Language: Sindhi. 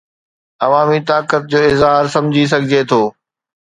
عوامي طاقت جو اظهار سمجهي سگهجي ٿو